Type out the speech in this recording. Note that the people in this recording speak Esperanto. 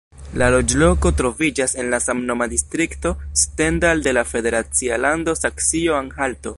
La loĝloko troviĝas en la samnoma distrikto Stendal de la federacia lando Saksio-Anhalto.